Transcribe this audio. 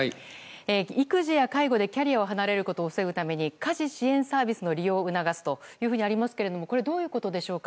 育児や介護でキャリアを離れることを防ぐために家事支援サービスの利用を促すとありますがこれ、どういうことでしょうか。